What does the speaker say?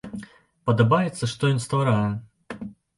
Падабаецца, што ён стварае.